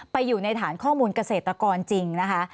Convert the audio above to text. อยู่ในฐานข้อมูลเกษตรกรจริงนะคะ